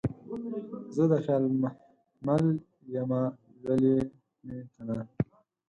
زه دخیال محمل یمه لولی مې کنه